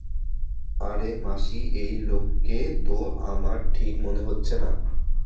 আরে মাসি এই লোককে তো আমার ঠিক মনে হচ্ছে না।